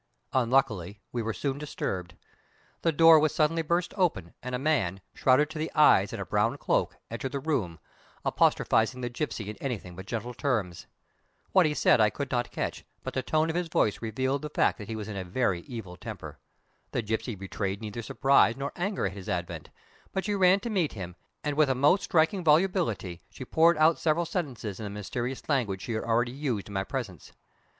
Unluckily we were soon disturbed. The door was suddenly burst open, and a man, shrouded to the eyes in a brown cloak, entered the room, apostrophizing the gipsy in anything but gentle terms. What he said I could not catch, but the tone of his voice revealed the fact that he was in a very evil temper. The gipsy betrayed neither surprise nor anger at his advent, but she ran to meet him, and with a most striking volubility, she poured out several sentences in the mysterious language she had already used in my presence.